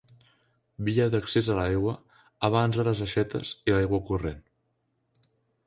Via d'accés a l'aigua abans de les aixetes i l'aigua corrent.